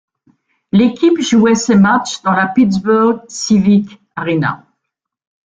L'équipe jouait ses matchs dans la Pittsburgh Civic Arena.